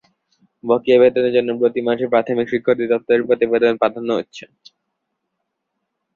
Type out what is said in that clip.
বকেয়া বেতনের জন্য প্রতি মাসে প্রাথমিক শিক্ষা অধিদপ্তরে প্রতিবেদন পাঠানো হচ্ছে।